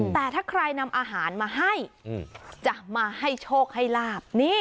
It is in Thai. แต่ถ้าใครนำอาหารมาให้จะมาให้โชคให้ลาบ